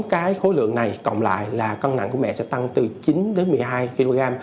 cái khối lượng này cộng lại là cân nặng của mẹ sẽ tăng từ chín đến một mươi hai kg